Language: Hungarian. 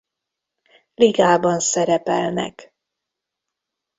Ligában szerepelnek.